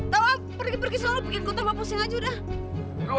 tau gak pergi pergi sama lo bikin gue tambah pusing aja udah